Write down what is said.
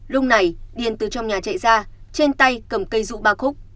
lúc này điền từ trong nhà chạy ra trên tay cầm cây rụ ba khúc